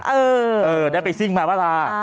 เออได้ไปซิ่งมาลา